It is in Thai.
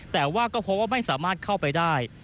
แต่ว่าก็พบว่าไม่สามารถเข้าไปได้